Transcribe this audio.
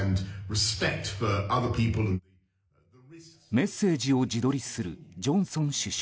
メッセージを自撮りするジョンソン首相。